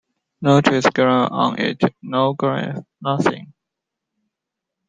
No trees grew on it, no grass — nothing.